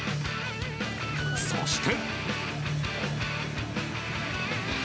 そして。